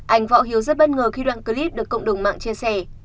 anh võ hiếu rất bất ngờ khi đoạn clip được cộng đồng mạng chia sẻ